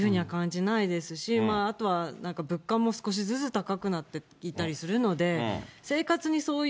いやー、そういうふうには感じないですし、あとは物価も少しずつ高くなっていったりするので、生活にそうい